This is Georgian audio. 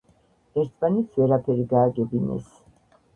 ერთმანეთს ვერაფერი გააგებინეს.